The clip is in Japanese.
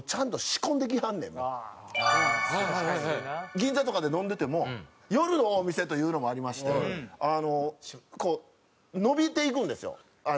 銀座とかで飲んでても夜のお店というのもありましてこう伸びていくんですよ